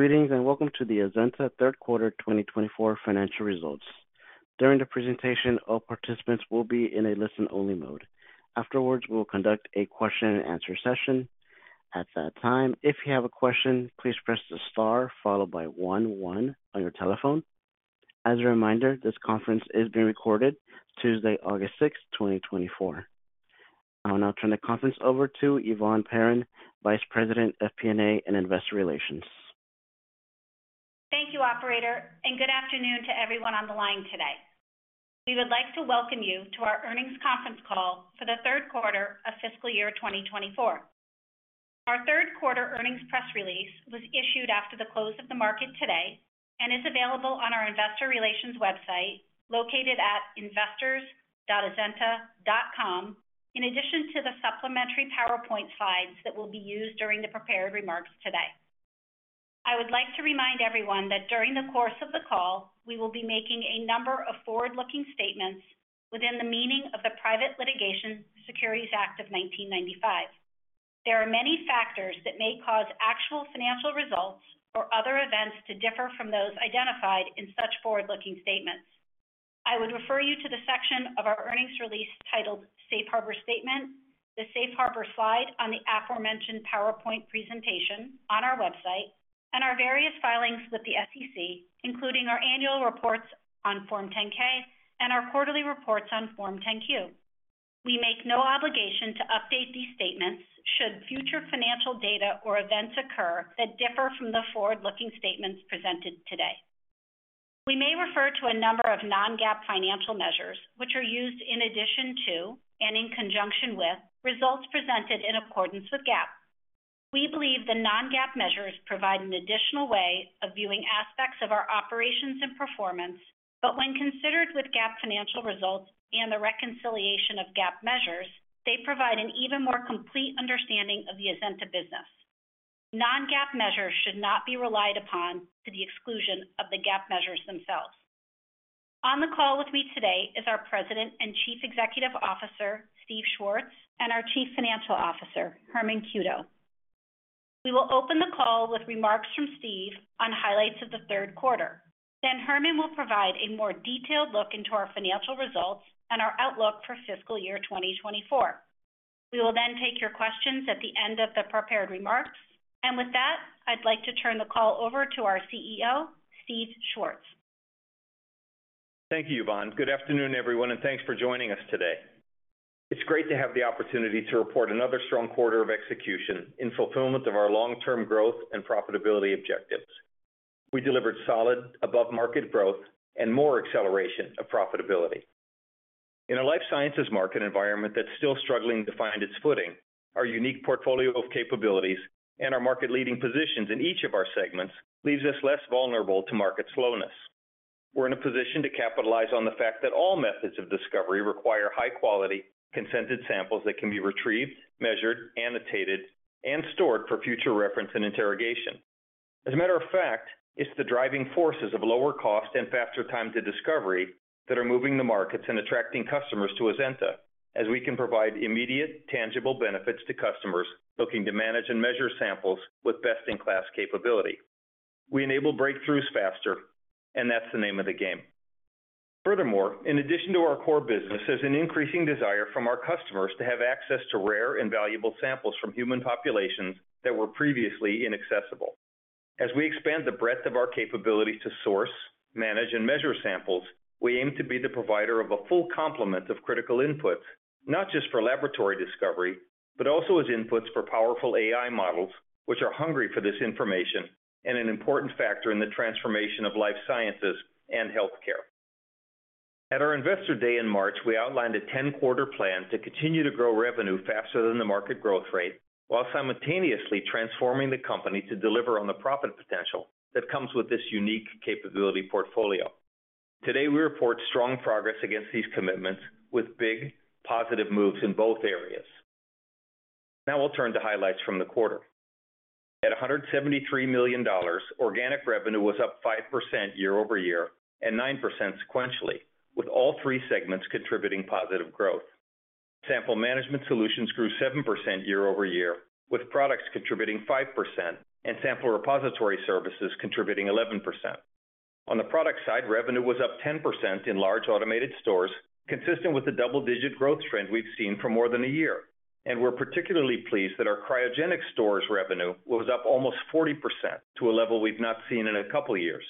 Greetings, and welcome to the Azenta Third Quarter 2024 financial results. During the presentation, all participants will be in a listen-only mode. Afterwards, we will conduct a question-and-answer session. At that time, if you have a question, please press the star followed by one, one on your telephone. As a reminder, this conference is being recorded Tuesday, August 6, 2024. I'll now turn the conference over to Yvonne Perron, Vice President of FP&A and Investor Relations. Thank you, operator, and good afternoon to everyone on the line today. We would like to welcome you to our earnings conference call for the third quarter of fiscal year 2024. Our third quarter earnings press release was issued after the close of the market today and is available on our investor relations website, located at investors.azenta.com, in addition to the supplementary PowerPoint slides that will be used during the prepared remarks today. I would like to remind everyone that during the course of the call, we will be making a number of forward-looking statements within the meaning of the Private Securities Litigation Reform Act of 1995. There are many factors that may cause actual financial results or other events to differ from those identified in such forward-looking statements. I would refer you to the section of our earnings release titled Safe Harbor Statement, the Safe Harbor slide on the aforementioned PowerPoint presentation on our website, and our various filings with the SEC, including our annual reports on Form 10-K and our quarterly reports on Form 10-Q. We make no obligation to update these statements should future financial data or events occur that differ from the forward-looking statements presented today. We may refer to a number of non-GAAP financial measures, which are used in addition to and in conjunction with results presented in accordance with GAAP. We believe the non-GAAP measures provide an additional way of viewing aspects of our operations and performance, but when considered with GAAP financial results and the reconciliation of GAAP measures, they provide an even more complete understanding of the Azenta business. Non-GAAP measures should not be relied upon to the exclusion of the GAAP measures themselves. On the call with me today is our President and Chief Executive Officer, Stephen Schwartz, and our Chief Financial Officer, Herman Cueto. We will open the call with remarks from Stephen on highlights of the third quarter. Then Herman will provide a more detailed look into our financial results and our outlook for fiscal year 2024. We will then take your questions at the end of the prepared remarks. With that, I'd like to turn the call over to our CEO, Stephen Schwartz. Thank you, Yvonne. Good afternoon, everyone, and thanks for joining us today. It's great to have the opportunity to report another strong quarter of execution in fulfillment of our long-term growth and profitability objectives. We delivered solid, above-market growth and more acceleration of profitability. In a life sciences market environment that's still struggling to find its footing, our unique portfolio of capabilities and our market-leading positions in each of our segments leaves us less vulnerable to market slowness. We're in a position to capitalize on the fact that all methods of discovery require high-quality, consented samples that can be retrieved, measured, annotated, and stored for future reference and interrogation. As a matter of fact, it's the driving forces of lower cost and faster time to discovery that are moving the markets and attracting customers to Azenta, as we can provide immediate, tangible benefits to customers looking to manage and measure samples with best-in-class capability. We enable breakthroughs faster, and that's the name of the game. Furthermore, in addition to our core business, there's an increasing desire from our customers to have access to rare and valuable samples from human populations that were previously inaccessible. As we expand the breadth of our capability to source, manage, and measure samples, we aim to be the provider of a full complement of critical inputs, not just for laboratory discovery, but also as inputs for powerful AI models, which are hungry for this information and an important factor in the transformation of life sciences and healthcare. At our Investor Day in March, we outlined a 10-quarter plan to continue to grow revenue faster than the market growth rate while simultaneously transforming the company to deliver on the profit potential that comes with this unique capability portfolio. Today, we report strong progress against these commitments with big positive moves in both areas. Now we'll turn to highlights from the quarter. At $173 million, organic revenue was up 5% year-over-year and 9% sequentially, with all three segments contributing positive growth. Sample Management Solutions grew 7% year-over-year, with products contributing 5% and Sample Repository Services contributing 11%. On the product side, revenue was up 10% in large automated stores, consistent with the double-digit growth trend we've seen for more than a year, and we're particularly pleased that our cryogenic stores revenue was up almost 40% to a level we've not seen in a couple of years.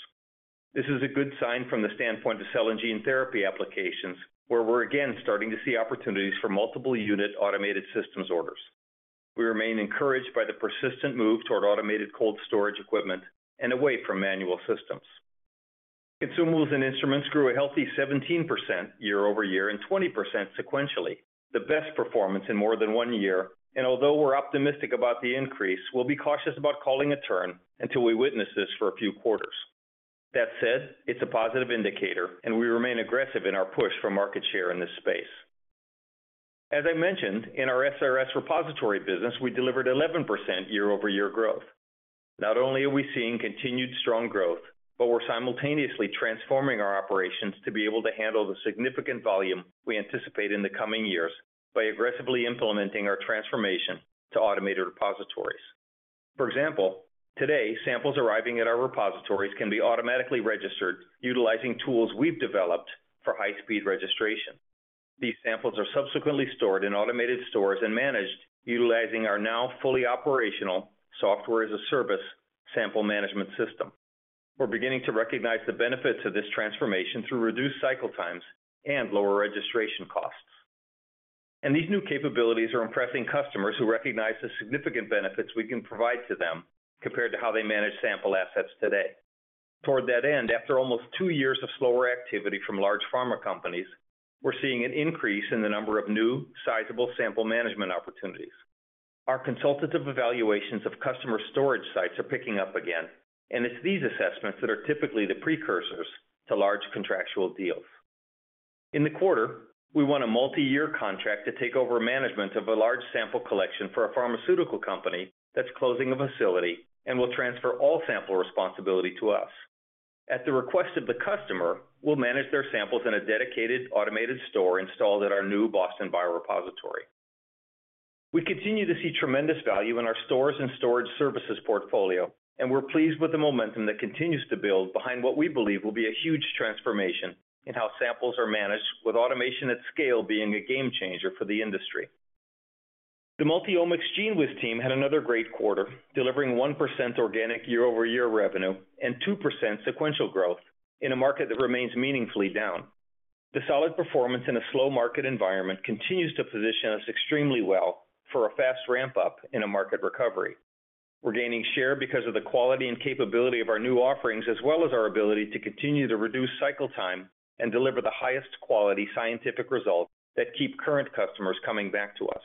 This is a good sign from the standpoint of cell and gene therapy applications, where we're again starting to see opportunities for multiple unit automated systems orders. We remain encouraged by the persistent move toward automated cold storage equipment and away from manual systems. Consumables and instruments grew a healthy 17% year-over-year and 20% sequentially, the best performance in more than one year, and although we're optimistic about the increase, we'll be cautious about calling a turn until we witness this for a few quarters. That said, it's a positive indicator, and we remain aggressive in our push for market share in this space. As I mentioned, in our SRS repository business, we delivered 11% year-over-year growth. Not only are we seeing continued strong growth, but we're simultaneously transforming our operations to be able to handle the significant volume we anticipate in the coming years by aggressively implementing our transformation to automated repositories. For example, today, samples arriving at our repositories can be automatically registered utilizing tools we've developed for high-speed registration. These samples are subsequently stored in automated stores and managed, utilizing our now fully operational software-as-a-service sample management system. We're beginning to recognize the benefits of this transformation through reduced cycle times and lower registration costs. And these new capabilities are impressing customers who recognize the significant benefits we can provide to them compared to how they manage sample assets today. Toward that end, after almost two years of slower activity from large pharma companies, we're seeing an increase in the number of new sizable sample management opportunities. Our consultative evaluations of customer storage sites are picking up again, and it's these assessments that are typically the precursors to large contractual deals. In the quarter, we won a multiyear contract to take over management of a large sample collection for a pharmaceutical company that's closing a facility and will transfer all sample responsibility to us. At the request of the customer, we'll manage their samples in a dedicated, automated store installed at our new Boston Biorepository. We continue to see tremendous value in our stores and storage services portfolio, and we're pleased with the momentum that continues to build behind what we believe will be a huge transformation in how samples are managed, with automation at scale being a game changer for the industry. The Multiomics GENEWIZ team had another great quarter, delivering 1% organic year-over-year revenue and 2% sequential growth in a market that remains meaningfully down. The solid performance in a slow market environment continues to position us extremely well for a fast ramp-up in a market recovery. We're gaining share because of the quality and capability of our new offerings, as well as our ability to continue to reduce cycle time and deliver the highest quality scientific results that keep current customers coming back to us.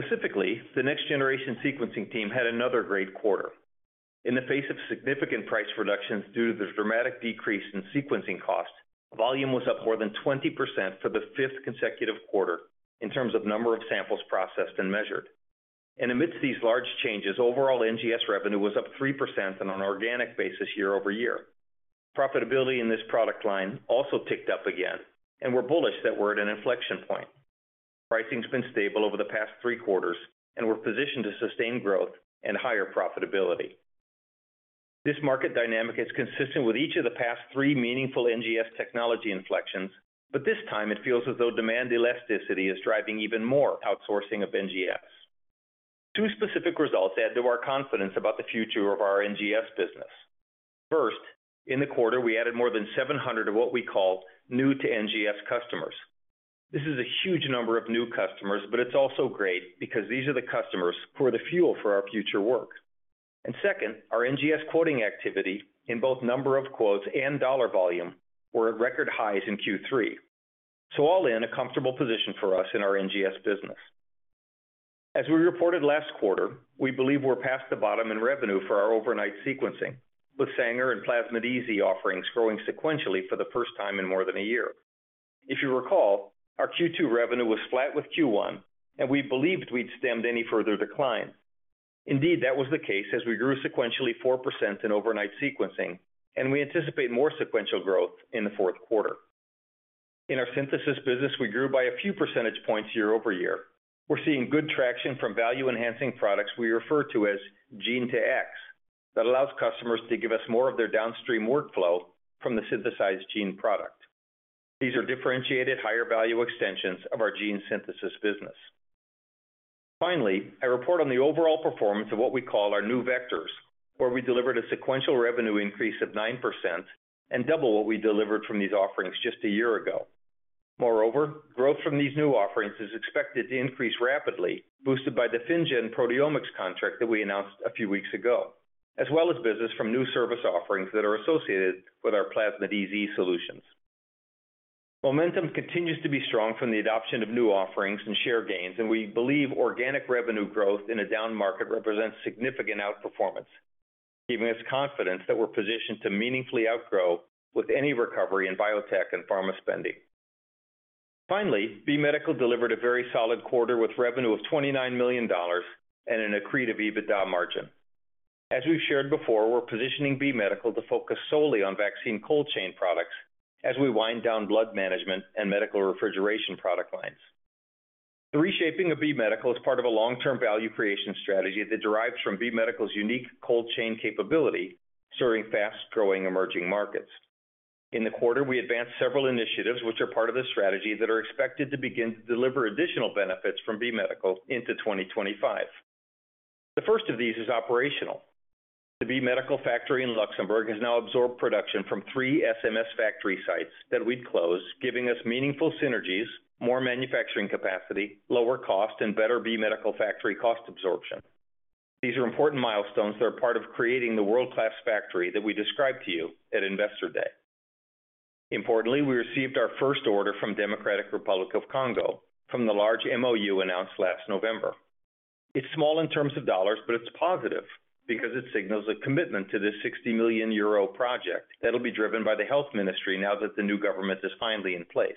Specifically, the Next Generation Sequencing team had another great quarter. In the face of significant price reductions due to the dramatic decrease in sequencing costs, volume was up more than 20% for the fifth consecutive quarter in terms of number of samples processed and measured. Amidst these large changes, overall NGS revenue was up 3% on an organic basis year-over-year. Profitability in this product line also ticked up again, and we're bullish that we're at an inflection point. Pricing's been stable over the past three quarters, and we're positioned to sustain growth and higher profitability. This market dynamic is consistent with each of the past three meaningful NGS technology inflections, but this time it feels as though demand elasticity is driving even more outsourcing of NGS. Two specific results add to our confidence about the future of our NGS business. First, in the quarter, we added more than 700 of what we call new to NGS customers. This is a huge number of new customers, but it's also great because these are the customers who are the fuel for our future work. And second, our NGS quoting activity in both number of quotes and dollar volume were at record highs in Q3. So all in a comfortable position for us in our NGS business. As we reported last quarter, we believe we're past the bottom in revenue for our overnight sequencing, with Sanger and Plasmid-EZ offerings growing sequentially for the first time in more than a year. If you recall, our Q2 revenue was flat with Q1, and we believed we'd stemmed any further decline. Indeed, that was the case as we grew sequentially 4% in overnight sequencing, and we anticipate more sequential growth in the fourth quarter. In our synthesis business, we grew by a few percentage points year-over-year. We're seeing good traction from value-enhancing products we refer to as Gene-to-X, that allows customers to give us more of their downstream workflow from the synthesized gene product. These are differentiated, higher value extensions of our gene synthesis business. Finally, I report on the overall performance of what we call our new vectors, where we delivered a sequential revenue increase of 9% and double what we delivered from these offerings just a year ago. Moreover, growth from these new offerings is expected to increase rapidly, boosted by the FinnGen proteomics contract that we announced a few weeks ago, as well as business from new service offerings that are associated with our Plasmid-EZ solutions. Momentum continues to be strong from the adoption of new offerings and share gains, and we believe organic revenue growth in a down market represents significant outperformance, giving us confidence that we're positioned to meaningfully outgrow with any recovery in biotech and pharma spending. Finally, B Medical delivered a very solid quarter with revenue of $29 million and an accretive EBITDA margin. As we've shared before, we're positioning B Medical to focus solely on vaccine cold chain products as we wind down blood management and medical refrigeration product lines. The reshaping of B Medical is part of a long-term value creation strategy that derives from B Medical's unique cold chain capability, serving fast-growing emerging markets. In the quarter, we advanced several initiatives, which are part of the strategy that are expected to begin to deliver additional benefits from B Medical into 2025. The first of these is operational. The B Medical factory in Luxembourg has now absorbed production from 3 SMS factory sites that we'd closed, giving us meaningful synergies, more manufacturing capacity, lower cost, and better B Medical factory cost absorption. These are important milestones that are part of creating the world-class factory that we described to you at Investor Day. Importantly, we received our first order from Democratic Republic of the Congo from the large MOU announced last November. It's small in terms of dollars, but it's positive because it signals a commitment to this 60 million euro project that'll be driven by the Health Ministry now that the new government is finally in place.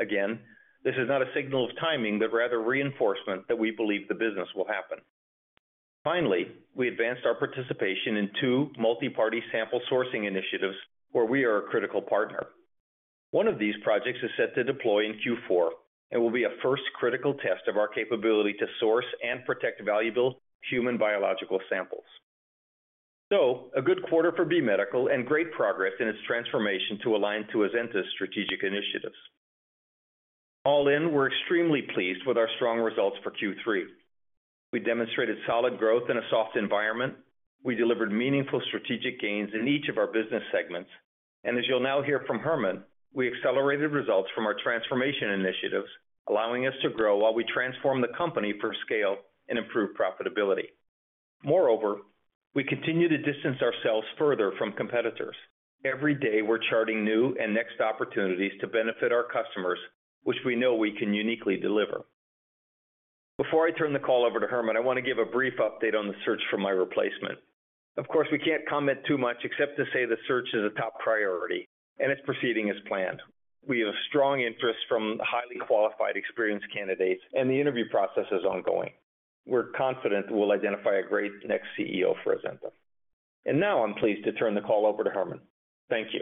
Again, this is not a signal of timing, but rather reinforcement that we believe the business will happen. Finally, we advanced our participation in two multi-party sample sourcing initiatives where we are a critical partner. One of these projects is set to deploy in Q4 and will be a first critical test of our capability to source and protect valuable human biological samples. So a good quarter for B Medical and great progress in its transformation to align to Azenta's strategic initiatives. All in, we're extremely pleased with our strong results for Q3. We demonstrated solid growth in a soft environment. We delivered meaningful strategic gains in each of our business segments. As you'll now hear from Herman, we accelerated results from our transformation initiatives, allowing us to grow while we transform the company for scale and improve profitability. Moreover, we continue to distance ourselves further from competitors. Every day, we're charting new and next opportunities to benefit our customers, which we know we can uniquely deliver. Before I turn the call over to Herman, I want to give a brief update on the search for my replacement. Of course, we can't comment too much, except to say the search is a top priority and it's proceeding as planned. We have strong interest from highly qualified, experienced candidates, and the interview process is ongoing. We're confident we'll identify a great next CEO for Azenta. And now I'm pleased to turn the call over to Herman. Thank you.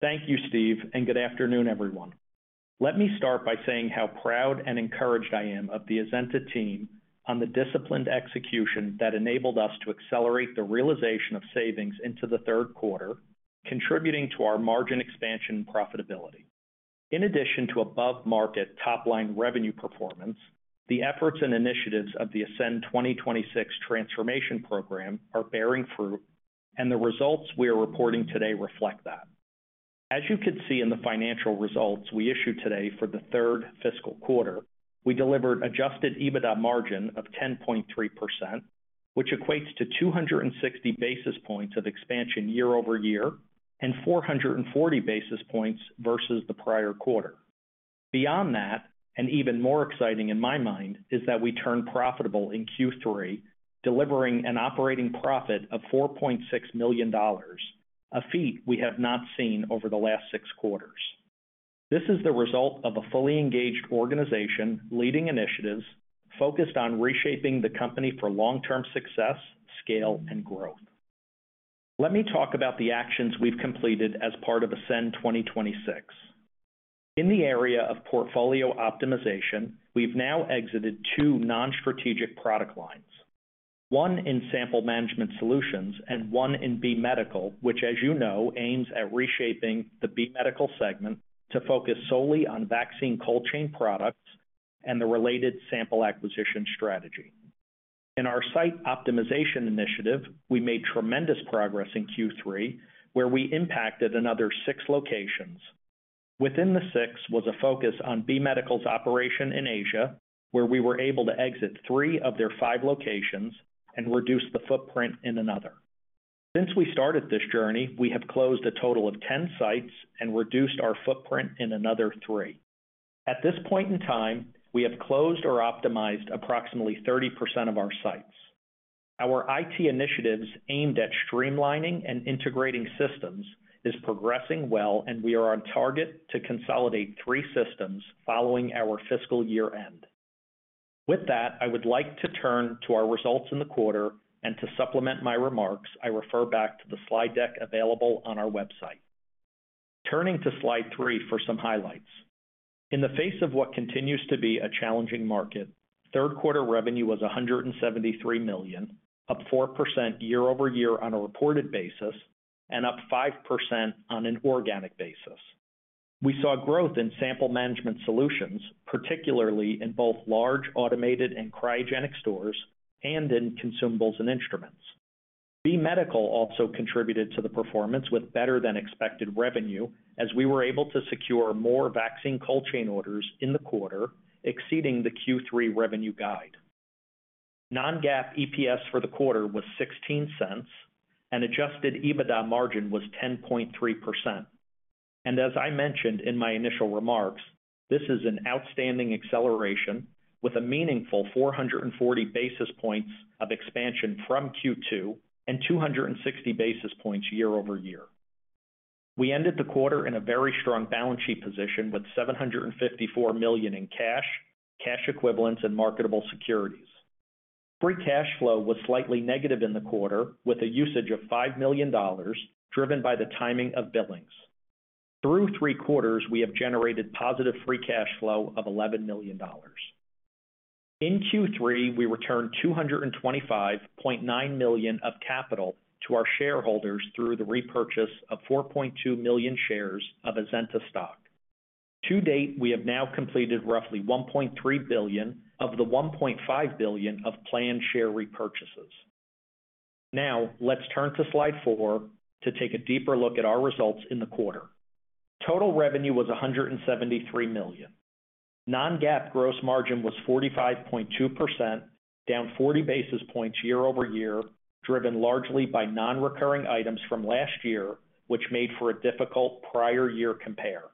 Thank you, Stephen, and good afternoon, everyone. Let me start by saying how proud and encouraged I am of the Azenta team on the disciplined execution that enabled us to accelerate the realization of savings into the third quarter, contributing to our margin expansion and profitability. In addition to above-market top-line revenue performance, the efforts and initiatives of the Ascend 2026 transformation program are bearing fruit, and the results we are reporting today reflect that. As you can see in the financial results we issued today for the third fiscal quarter, we delivered Adjusted EBITDA margin of 10.3%, which equates to 260 basis points of expansion year-over-year and 440 basis points versus the prior quarter. Beyond that, and even more exciting in my mind, is that we turned profitable in Q3, delivering an operating profit of $4.6 million, a feat we have not seen over the last 6 quarters. This is the result of a fully engaged organization, leading initiatives focused on reshaping the company for long-term success, scale, and growth. Let me talk about the actions we've completed as part of Ascend 2026. In the area of portfolio optimization, we've now exited 2 non-strategic product lines, one in Sample Management Solutions and one in B Medical, which, as you know, aims at reshaping the B Medical segment to focus solely on vaccine cold chain products and the related sample acquisition strategy. In our site optimization initiative, we made tremendous progress in Q3, where we impacted another 6 locations. Within the six was a focus on B Medical's operation in Asia, where we were able to exit 3 of their 5 locations and reduce the footprint in another. Since we started this journey, we have closed a total of 10 sites and reduced our footprint in another 3. At this point in time, we have closed or optimized approximately 30% of our sites. Our IT initiatives, aimed at streamlining and integrating systems, is progressing well, and we are on target to consolidate 3 systems following our fiscal year-end. With that, I would like to turn to our results in the quarter, and to supplement my remarks, I refer back to the slide deck available on our website. Turning to slide 3 for some highlights. In the face of what continues to be a challenging market, third quarter revenue was $173 million, up 4% year-over-year on a reported basis and up 5% on an organic basis. We saw growth in Sample Management Solutions, particularly in both large, automated and cryogenic stores and in consumables and instruments. B Medical also contributed to the performance with better-than-expected revenue, as we were able to secure more vaccine cold chain orders in the quarter, exceeding the Q3 revenue guide. Non-GAAP EPS for the quarter was $0.16, and adjusted EBITDA margin was 10.3%. And as I mentioned in my initial remarks, this is an outstanding acceleration with a meaningful 440 basis points of expansion from Q2 and 260 basis points year-over-year. We ended the quarter in a very strong balance sheet position with $754 million in cash, cash equivalents, and marketable securities. Free cash flow was slightly negative in the quarter, with a usage of $5 million, driven by the timing of billings. Through three quarters, we have generated positive free cash flow of $11 million. In Q3, we returned $225.9 million of capital to our shareholders through the repurchase of 4.2 million shares of Azenta stock. To date, we have now completed roughly $1.3 billion of the $1.5 billion of planned share repurchases. Now, let's turn to slide 4 to take a deeper look at our results in the quarter. Total revenue was $173 million. Non-GAAP gross margin was 45.2%, down 40 basis points year-over-year, driven largely by non-recurring items from last year, which made for a difficult prior year compare.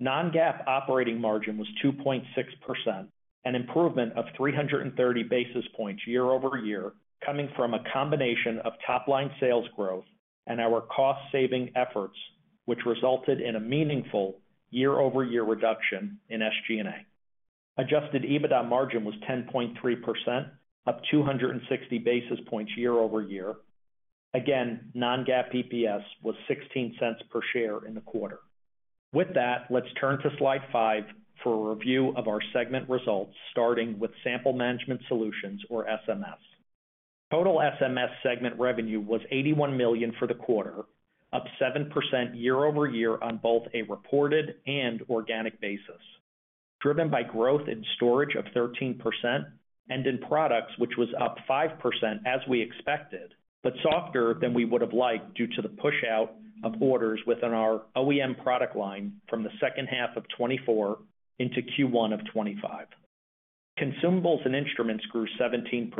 Non-GAAP operating margin was 2.6%, an improvement of 330 basis points year-over-year, coming from a combination of top line sales growth and our cost saving efforts, which resulted in a meaningful year-over-year reduction in SG&A. Adjusted EBITDA margin was 10.3%, up 260 basis points year-over-year. Again, non-GAAP EPS was $0.16 per share in the quarter. With that, let's turn to Slide 5 for a review of our segment results, starting with Sample Management Solutions, or SMS. Total SMS segment revenue was $81 million for the quarter, up 7% year-over-year on both a reported and organic basis, driven by growth in storage of 13% and in products, which was up 5% as we expected, but softer than we would have liked due to the pushout of orders within our OEM product line from the second half of 2024 into Q1 of 2025. Consumables and instruments grew 17%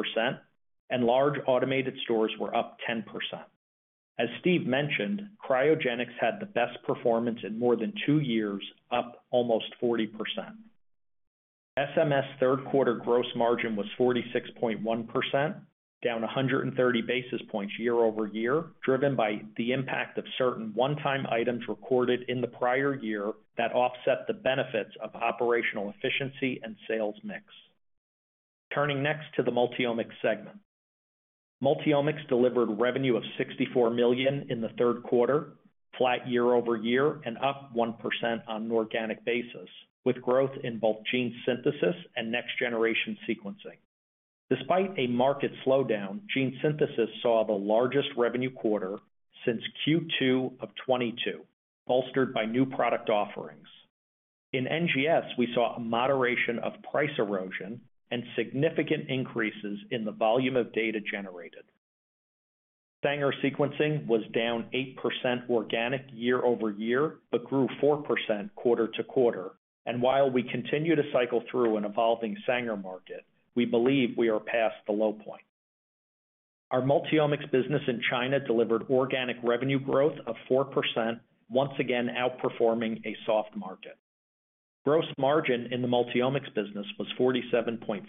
and large automated stores were up 10%. As Stephen mentioned, cryogenics had the best performance in more than two years, up almost 40%. SMS third quarter gross margin was 46.1%, down 130 basis points year-over-year, driven by the impact of certain one-time items recorded in the prior year that offset the benefits of operational efficiency and sales mix. Turning next to the Multiomics segment. Multiomics delivered revenue of $64 million in the third quarter, flat year-over-year and up 1% on an organic basis, with growth in both gene synthesis and next-generation sequencing. Despite a market slowdown, gene synthesis saw the largest revenue quarter since Q2 of 2022, bolstered by new product offerings. In NGS, we saw a moderation of price erosion and significant increases in the volume of data generated. Sanger sequencing was down 8% organic year-over-year, but grew 4% quarter-over-quarter. And while we continue to cycle through an evolving Sanger market, we believe we are past the low point. Our Multiomics business in China delivered organic revenue growth of 4%, once again outperforming a soft market. Gross margin in the Multiomics business was 47.5%,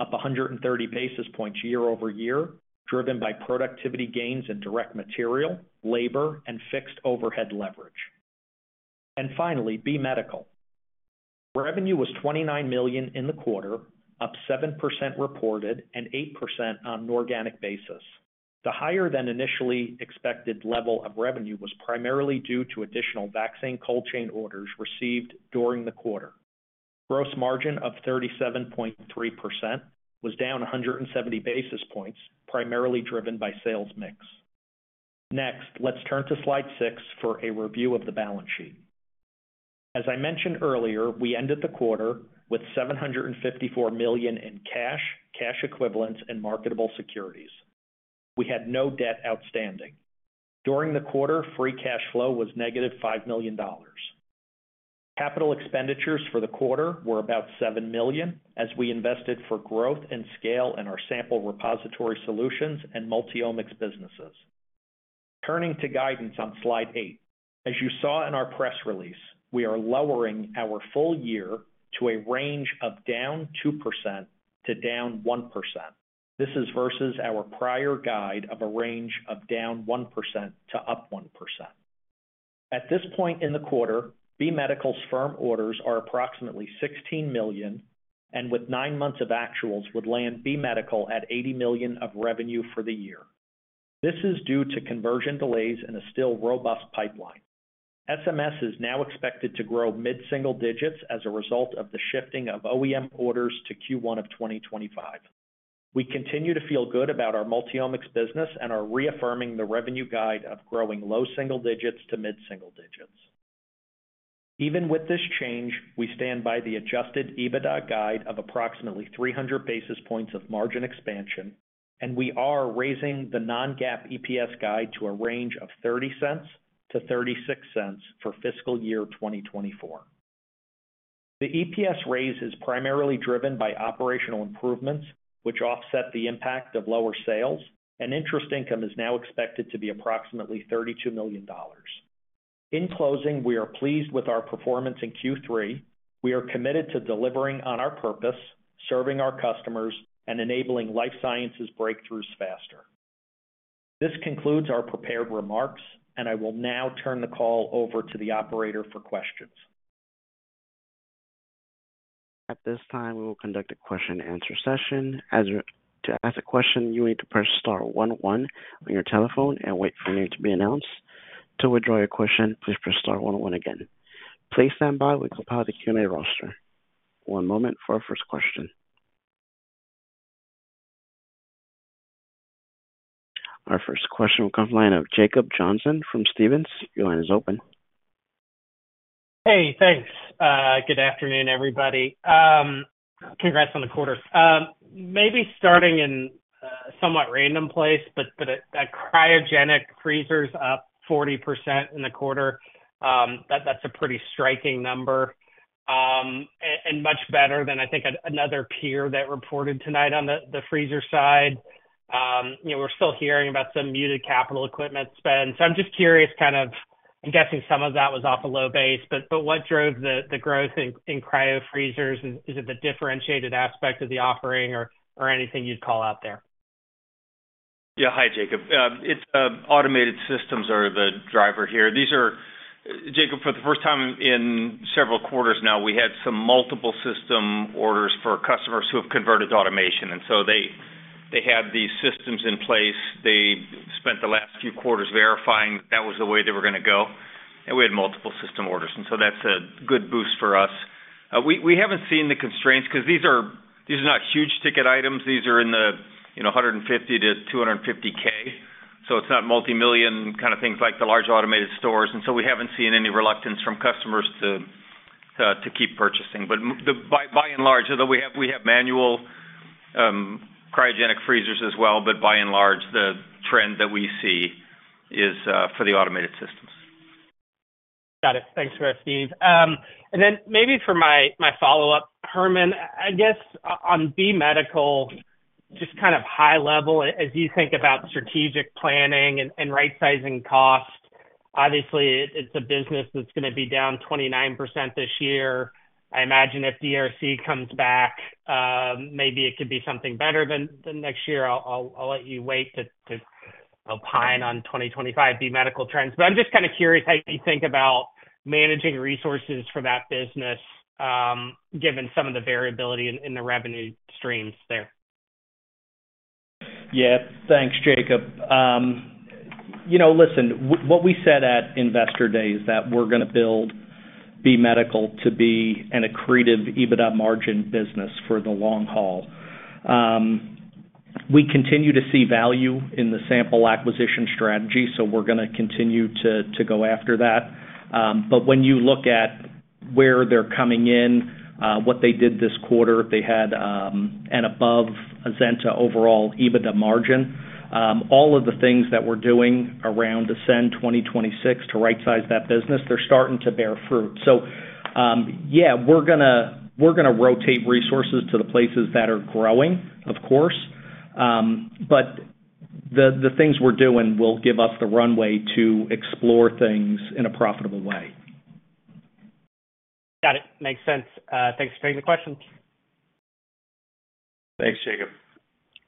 up 130 basis points year-over-year, driven by productivity gains in direct material, labor, and fixed overhead leverage. Finally, B Medical. Revenue was $29 million in the quarter, up 7% reported and 8% on an organic basis. The higher than initially expected level of revenue was primarily due to additional vaccine cold chain orders received during the quarter. Gross margin of 37.3% was down 170 basis points, primarily driven by sales mix. Next, let's turn to Slide 6 for a review of the balance sheet. As I mentioned earlier, we ended the quarter with $754 million in cash, cash equivalents, and marketable securities. We had no debt outstanding. During the quarter, free cash flow was -$5 million. Capital expenditures for the quarter were about $7 million, as we invested for growth and scale in our sample repository solutions and Multiomics businesses. Turning to guidance on Slide 8. As you saw in our press release, we are lowering our full year to a range of down 2% to down 1%. This is versus our prior guide of a range of down 1% to up 1%. At this point in the quarter, B Medical's firm orders are approximately $16 million, and with nine months of actuals, would land B Medical at $80 million of revenue for the year. This is due to conversion delays and a still robust pipeline. SMS is now expected to grow mid-single digits as a result of the shifting of OEM orders to Q1 of 2025. We continue to feel good about our Multiomics business and are reaffirming the revenue guide of growing low single digits to mid-single digits. Even with this change, we stand by the Adjusted EBITDA guide of approximately 300 basis points of margin expansion, and we are raising the Non-GAAP EPS guide to a range of $0.30-$0.36 for fiscal year 2024. The EPS raise is primarily driven by operational improvements, which offset the impact of lower sales, and interest income is now expected to be approximately $32 million. In closing, we are pleased with our performance in Q3. We are committed to delivering on our purpose, serving our customers, and enabling life sciences breakthroughs faster. This concludes our prepared remarks, and I will now turn the call over to the operator for questions. At this time, we will conduct a question and answer session. To ask a question, you need to press star one, one on your telephone and wait for your name to be announced. To withdraw your question, please press star one one again. Please stand by. We compile the Q&A roster. One moment for our first question. Our first question comes from the line of Jacob Johnson from Stephens. Your line is open. Hey, thanks. Good afternoon, everybody. Congrats on the quarter. Maybe starting in somewhat random place, but that cryogenic freezers up 40% in the quarter, that's a pretty striking number. And much better than, I think, another peer that reported tonight on the freezer side. You know, we're still hearing about some muted capital equipment spend. So I'm just curious, kind of. I'm guessing some of that was off a low base, but what drove the growth in cryo freezers? And is it the differentiated aspect of the offering or anything you'd call out there? Yeah. Hi, Jacob. It's automated systems are the driver here. These are, Jacob, for the first time in several quarters now, we had some multiple system orders for customers who have converted to automation, and so they, they had these systems in place. They spent the last few quarters verifying that was the way they were gonna go, and we had multiple system orders, and so that's a good boost for us. We, we haven't seen the constraints because these are, these are not huge ticket items. These are in the, you know, $150K-$250K, so it's not multimillion kind of things like the large automated stores, and so we haven't seen any reluctance from customers to to keep purchasing. But by and large, although we have manual cryogenic freezers as well, but by and large, the trend that we see is for the automated systems. Got it. Thanks for that, Stephen. And then maybe for my follow-up, Herman, I guess on B Medical, just kind of high level, as you think about strategic planning and right-sizing costs, obviously it's a business that's gonna be down 29% this year. I imagine if DRC comes back, maybe it could be something better than next year. I'll let you wait to opine on 2025 B Medical trends, but I'm just kind of curious how you think about managing resources for that business, given some of the variability in the revenue streams there. Yeah. Thanks, Jacob. You know, listen, what we said at Investor Day is that we're gonna build B Medical to be an accretive EBITDA margin business for the long haul. We continue to see value in the sample acquisition strategy, so we're gonna continue to go after that. But when you look at where they're coming in, what they did this quarter, they had an above Azenta overall EBITDA margin. All of the things that we're doing around Ascend 2026 to rightsize that business, they're starting to bear fruit. So, yeah, we're gonna rotate resources to the places that are growing, of course, but the things we're doing will give us the runway to explore things in a profitable way. Got it! Makes sense. Thanks for taking the question. Thanks, Jacob.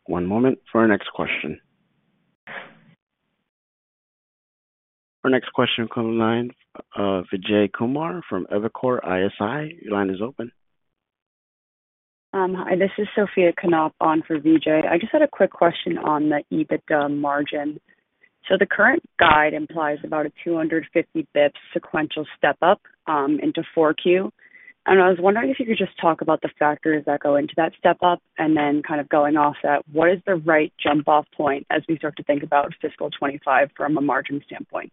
One moment for our next question. Our next question comes line, Vijay Kumar from Evercore ISI. Your line is open. Hi, this is Sophia Knoop on for Vijay. I just had a quick question on the EBITDA margin. So the current guide implies about a 250 bits sequential step up into Q4. And I was wondering if you could just talk about the factors that go into that step up, and then kind of going off that, what is the right jump off point as we start to think about fiscal 2025 from a margin standpoint?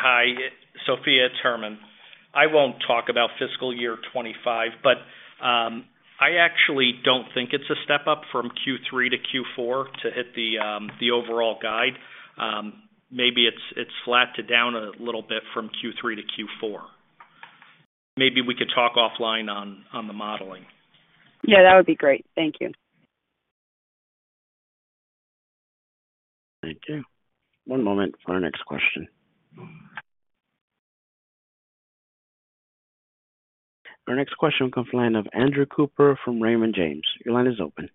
Hi, Sophia, it's Herman. I won't talk about fiscal year 25, but I actually don't think it's a step up from Q3 to Q4 to hit the overall guide. Maybe it's, it's flat to down a little bit from Q3 to Q4. Maybe we could talk offline on the modeling. Yeah, that would be great. Thank you. Thank you. One moment for our next question. Our next question comes from the line of Andrew Cooper from Raymond James. Your line is open.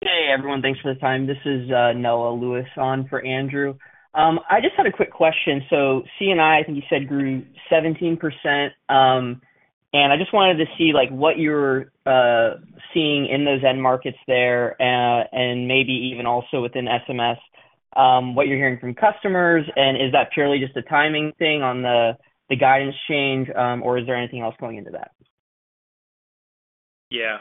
Hey, everyone. Thanks for the time. This is, Noah Lewis on for Andrew. I just had a quick question. So C&I, I think you said, grew 17%, and I just wanted to see, like, what you're seeing in those end markets there, and maybe even also within SMS, what you're hearing from customers, and is that purely just a timing thing on the guidance change, or is there anything else going into that? Yeah.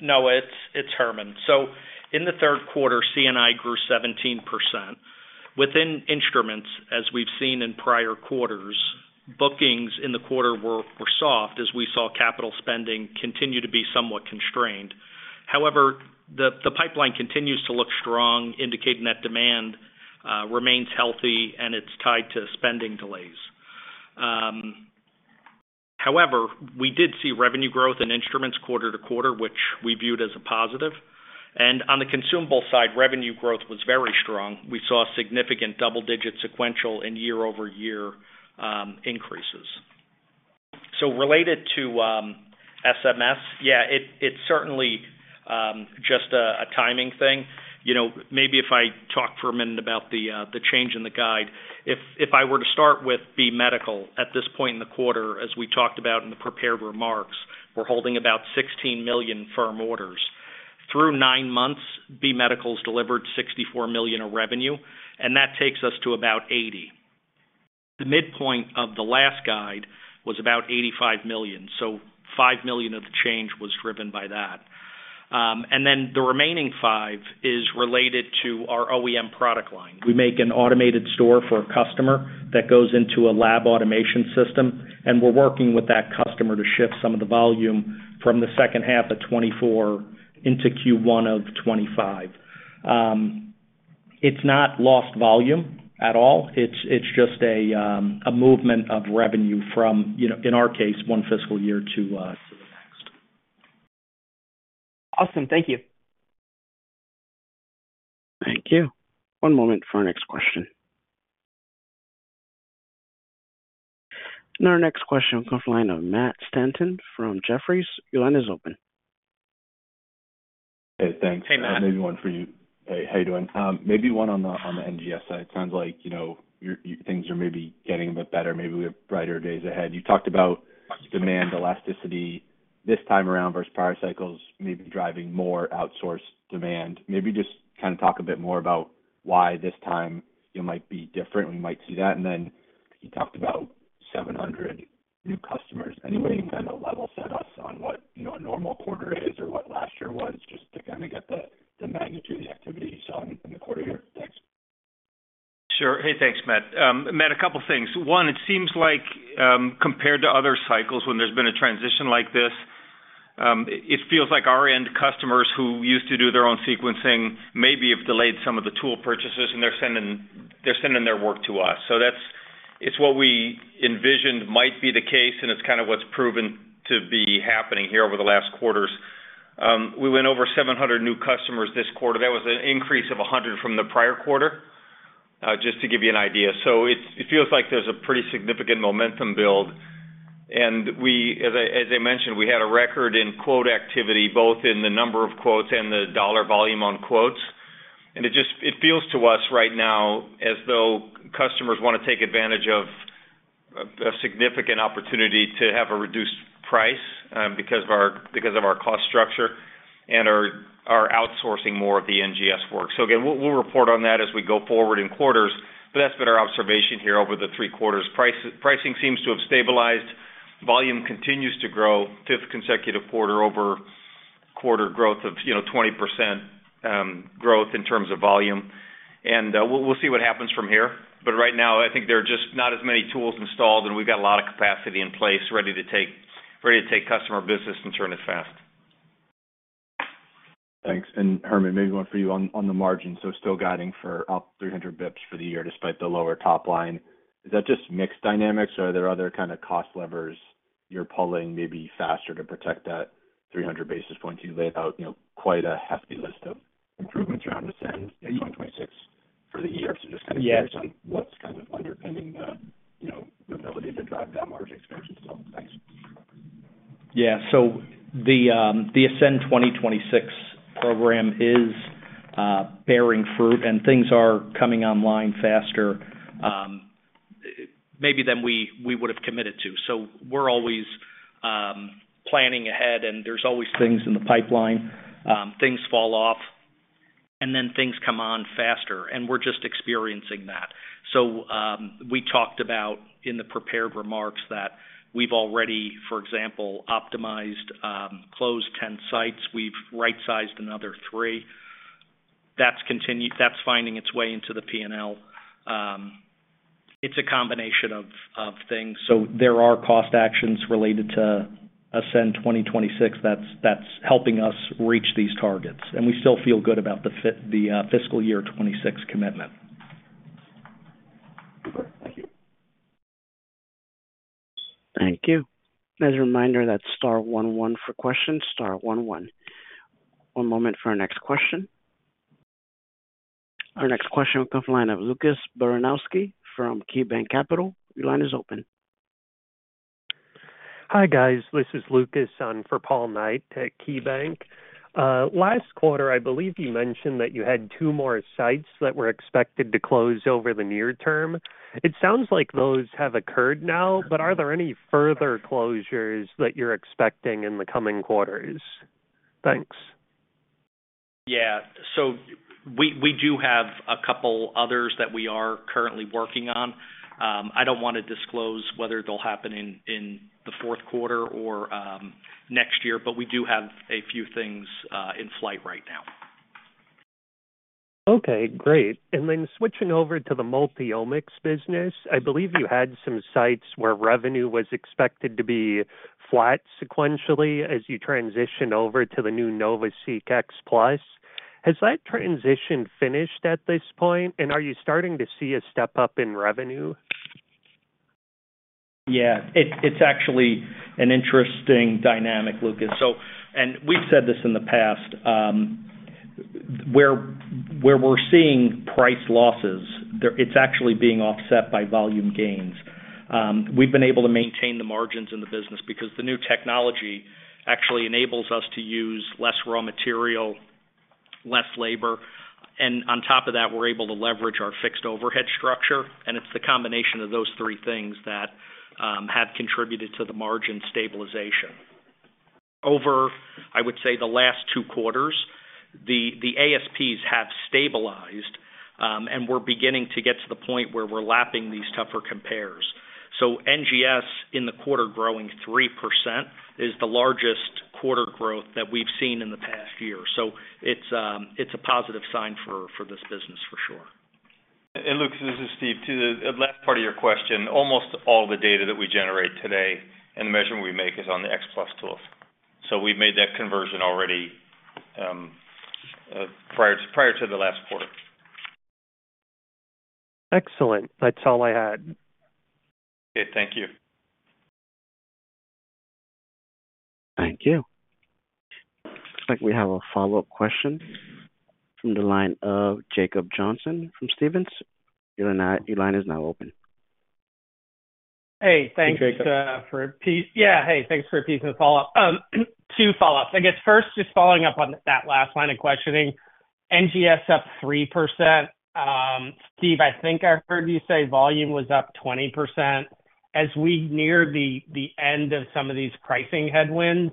Noah, it's Herman. So in the third quarter, C&I grew 17%. Within instruments, as we've seen in prior quarters, bookings in the quarter were soft, as we saw capital spending continue to be somewhat constrained. However, the pipeline continues to look strong, indicating that demand remains healthy, and it's tied to spending delays. However, we did see revenue growth in instruments quarter-over-quarter, which we viewed as a positive, and on the consumable side, revenue growth was very strong. We saw significant double-digit sequential and year-over-year increases. So related to SMS, yeah, it's certainly just a timing thing. You know, maybe if I talk for a minute about the change in the guide. If, if I were to start with B Medical at this point in the quarter, as we talked about in the prepared remarks, we're holding about $16 million firm orders. Through nine months, B Medical's delivered $64 million of revenue, and that takes us to about $80 million. The midpoint of the last guide was about $85 million, so $5 million of the change was driven by that. And then the remaining $5 million is related to our OEM product line. We make an automated store for a customer that goes into a lab automation system, and we're working with that customer to shift some of the volume from the second half of '2024 into Q1 of '2025. It's not lost volume at all. It's just a movement of revenue from, you know, in our case, one fiscal year to the next. Awesome. Thank you. Thank you. One moment for our next question. Our next question comes from the line of Matthew Stanton from Jefferies. Your line is open. Hey, thanks. Hey, Matthew. Maybe one for you. Hey, how you doing? Maybe one on the NGS side. Sounds like, you know, your things are maybe getting a bit better, maybe we have brighter days ahead. You talked about demand elasticity this time around versus prior cycles, maybe driving more outsourced demand. Maybe just kind of talk a bit more about why this time it might be different, we might see that. And then you talked about 700 new customers. Anyway, kind of level set us on what, you know, a normal quarter is or what last year was, just to kind of get the magnitude of the activity you saw in the quarter here. Thanks. Sure. Hey, thanks, Matthew. Matthew, a couple things. One, it seems like, compared to other cycles when there's been a transition like this, it feels like our end customers who used to do their own sequencing maybe have delayed some of the tool purchases, and they're sending, they're sending their work to us. So that's, it's what we envisioned might be the case, and it's kind of what's proven to be happening here over the last quarters. We went over 700 new customers this quarter. That was an increase of 100 from the prior quarter, just to give you an idea. So it, it feels like there's a pretty significant momentum build. And we, as I, as I mentioned, we had a record in quote activity, both in the number of quotes and the dollar volume on quotes. And it just feels to us right now as though customers want to take advantage of a significant opportunity to have a reduced price because of our cost structure and are outsourcing more of the NGS work. So again, we'll report on that as we go forward in quarters, but that's been our observation here over the three quarters. Pricing seems to have stabilized. Volume continues to grow, fifth consecutive quarter-over-quarter growth of, you know, 20% growth in terms of volume. And we'll see what happens from here. But right now, I think there are just not as many tools installed, and we've got a lot of capacity in place ready to take customer business and turn it fast. Thanks. And Herman, maybe one for you on, on the margin. So still guiding for up 300 basis points for the year, despite the lower top line. Is that just mixed dynamics, or are there other kind of cost levers you're pulling maybe faster to protect that 300 basis points? You laid out, you know, quite a hefty list of improvements around Ascend 2026 for the year. Yeah. Just kind of curious on what's kind of underpinning the, you know, the ability to drive that margin expansion. So thanks. Yeah. So the Ascend 2026 program is bearing fruit, and things are coming online faster, maybe than we would have committed to. So we're always planning ahead, and there's always things in the pipeline. Things fall off, and then things come on faster, and we're just experiencing that. So we talked about in the prepared remarks that we've already, for example, optimized closed 10 sites. We've right-sized another 3. That's continued. That's finding its way into the P&L. It's a combination of things. So there are cost actions related to Ascend 2026 that's helping us reach these targets, and we still feel good about the fiscal year 2026 commitment. Thank you. Thank you. As a reminder, that's star one one for questions, star one one. One moment for our next question. Our next question comes from the line of Lucas Baranowski from KeyBanc Capital Markets. Your line is open. Hi, guys. This is Lucas on for Paul Knight at KeyBanc. Last quarter, I believe you mentioned that you had two more sites that were expected to close over the near term. It sounds like those have occurred now, but are there any further closures that you're expecting in the coming quarters? Thanks. Yeah. So we do have a couple others that we are currently working on. I don't want to disclose whether it'll happen in the fourth quarter or next year, but we do have a few things in flight right now. Okay, great. And then switching over to the Multiomics business, I believe you had some sites where revenue was expected to be flat sequentially as you transition over to the new NovaSeq X Plus. Has that transition finished at this point, and are you starting to see a step up in revenue? Yeah. It's actually an interesting dynamic, Lucas. So... And we've said this in the past, where we're seeing price losses, it's actually being offset by volume gains. We've been able to maintain the margins in the business because the new technology actually enables us to use less raw material, less labor, and on top of that, we're able to leverage our fixed overhead structure, and it's the combination of those three things that have contributed to the margin stabilization. Over, I would say, the last two quarters, the ASPs have stabilized, and we're beginning to get to the point where we're lapping these tougher compares. So NGS in the quarter growing 3% is the largest quarter growth that we've seen in the past year. So it's a positive sign for this business, for sure.... Luke, this is Stephen, to the last part of your question, almost all the data that we generate today and the measurement we make is on the X Plus tools. So we've made that conversion already, prior to the last quarter. Excellent. That's all I had. Okay. Thank you. Thank you. Looks like we have a follow-up question from the line of Jacob Johnson from Stephens. Your line, your line is now open. Hey, thanks, for Pete. Hey, Jacob. Yeah. Hey, thanks for Pete and the follow-up. Two follow-ups. I guess first, just following up on that last line of questioning, NGS up 3%. Stephen, I think I heard you say volume was up 20%. As we near the end of some of these pricing headwinds,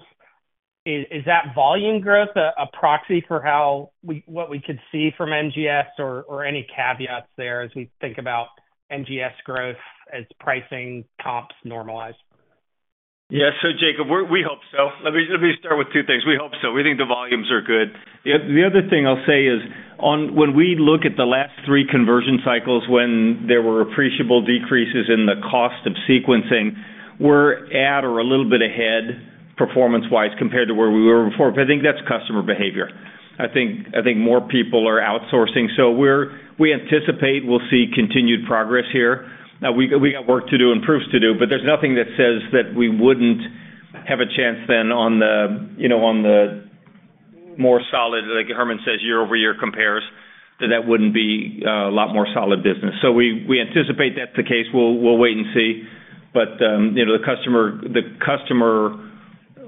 is that volume growth a proxy for how we—what we could see from NGS, or any caveats there as we think about NGS growth, as pricing comps normalize? Yes. So, Jacob, we hope so. Let me, let me start with two things. We hope so. We think the volumes are good. The other thing I'll say is on when we look at the last three conversion cycles, when there were appreciable decreases in the cost of sequencing, we're at or a little bit ahead, performance-wise, compared to where we were before. But I think that's customer behavior. I think more people are outsourcing, so we anticipate we'll see continued progress here. Now, we got work to do and proofs to do, but there's nothing that says that we wouldn't have a chance then on the, you know, on the more solid, like Herman says, year-over-year compares, that that wouldn't be a lot more solid business. So we anticipate that's the case. We'll wait and see. You know, the customer, the customer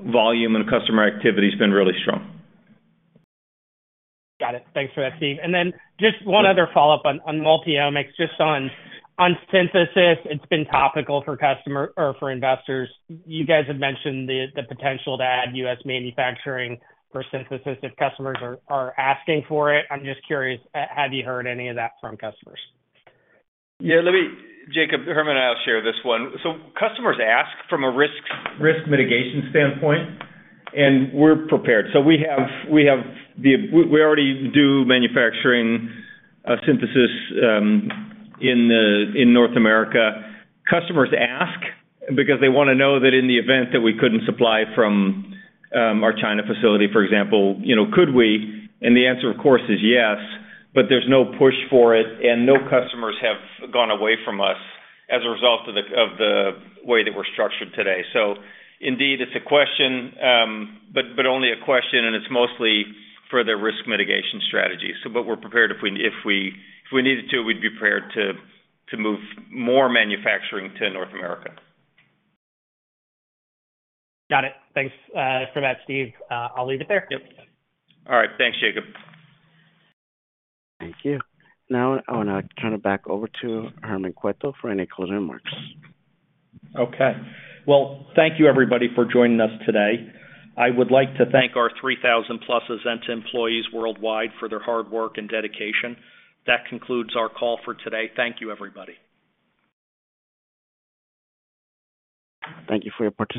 volume and customer activity has been really strong. Got it. Thanks for that, Stephen. And then just one other follow-up on Multiomics, just on synthesis. It's been topical for customer or for investors. You guys have mentioned the potential to add U.S. manufacturing for synthesis if customers are asking for it. I'm just curious, have you heard any of that from customers? Yeah, Jacob, Herman and I will share this one. So customers ask from a risk mitigation standpoint, and we're prepared. So we already do manufacturing, synthesis in North America. Customers ask because they wanna know that in the event that we couldn't supply from our China facility, for example, you know, could we? And the answer, of course, is yes, but there's no push for it, and no customers have gone away from us as a result of the way that we're structured today. So indeed, it's a question, but only a question, and it's mostly for their risk mitigation strategy. So but we're prepared if we needed to, we'd be prepared to move more manufacturing to North America. Got it. Thanks, for that, Stephen. I'll leave it there. Yep. All right. Thanks, Jacob. Thank you. Now, I wanna turn it back over to Herman Cueto for any closing remarks. Okay. Well, thank you, everybody, for joining us today. I would like to thank our 3,000+ Azenta employees worldwide for their hard work and dedication. That concludes our call for today. Thank you, everybody. Thank you for your participation.